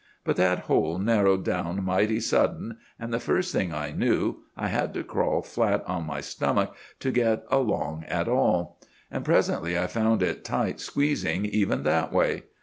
But that hole narrowed down mighty sudden, and the first thing I knew, I had to crawl flat on my stomach to get along at all; and presently I found it tight squeezing even that way.